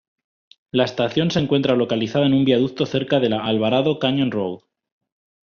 La estación se encuentra localizada en un viaducto cerca de la Alvarado Canyon Road.